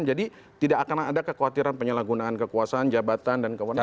jadi tidak akan ada kekhawatiran penyalahgunaan kekuasaan jabatan dan kewenangan